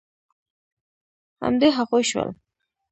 همدې هغوی شول.